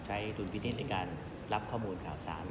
ดุลพินิษฐ์ในการรับข้อมูลข่าวสาร